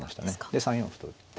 で３四歩と打って。